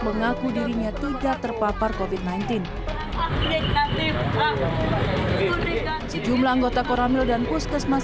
mengaku dirinya tidak terpapar covid sembilan belas negatif sejumlah anggota koramil dan puskesmas